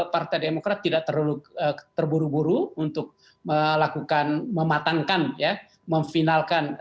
partai demokrat tidak terlalu terburu buru untuk melakukan mematangkan ya memfinalkan